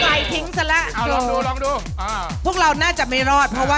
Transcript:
เดี๋ยวเดี๋ยวเดี๋ยว